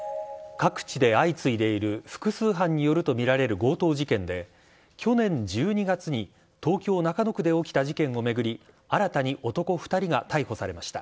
各地で相次いでいる、複数犯によると見られる強盗事件で、去年１２月に、東京・中野区で起きた事件を巡り、新たに男２人が逮捕されました。